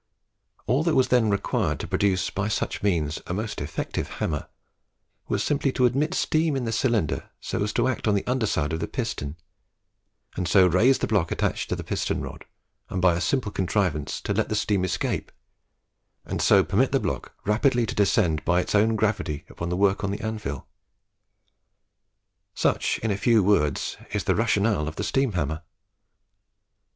All that was then required to produce by such means a most effective hammer, was simply to admit steam in the cylinder so as to act on the under side of the piston, and so raise the block attached to the piston rod, and by a simple contrivance to let the steam escape and so permit the block rapidly to descend by its own gravity upon the work then on the anvil. Such, in a few words, is the rationale of the steam hammer.